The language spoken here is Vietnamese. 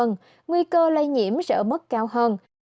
nguy cơ lây nhiễm rỡ mức cao hơn